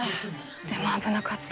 でも危なかった。